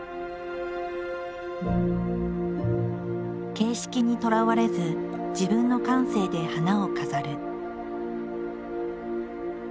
形式にとらわれず自分の感性で花を飾る。